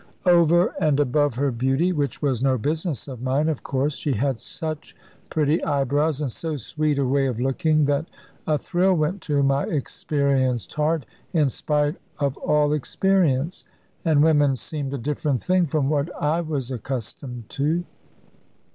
Over and above her beauty, which was no business of mine, of course, she had such pretty eyebrows and so sweet a way of looking, that a thrill went to my experienced heart, in spite of all experience; and women seemed a different thing from what I was accustomed to.